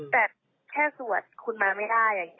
แต่แค่สวดคุณมาไม่ได้